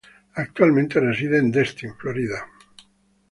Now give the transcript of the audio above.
Actualmente reside en Destin, Florida.